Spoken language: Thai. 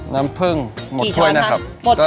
น้ำผึ้งหมดถ้วยนะครับ